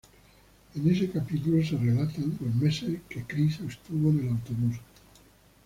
En este capítulo se relatan los meses que Chris estuvo en el autobús.